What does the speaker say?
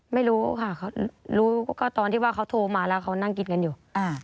ไม่รู้ค่ะเขารู้ก็ตอนที่ว่าเขาโทรมาแล้วเขานั่งกินกันอยู่